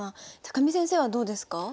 見先生はどうですか？